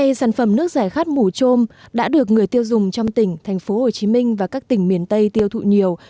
vì sản phẩm nước giải khát mù trôm đã được người tiêu dùng trong tỉnh thành phố hồ chí minh và các tỉnh miền tây tiêu thụ nhiều